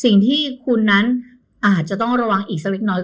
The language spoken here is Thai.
สิ่งที่คุณนั้นอาจจะต้องระวังอีกสักเล็กน้อย